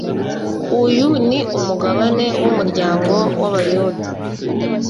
uyu ni umugabane w umuryango w abayuda